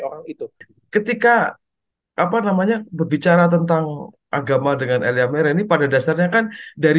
orang itu ketika apa namanya berbicara tentang agama dengan elia merah ini pada dasarnya kan dari